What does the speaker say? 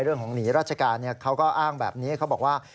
เรื่องของหนีราชการเขาก็อ้างแบบนี้เขาบอกว่า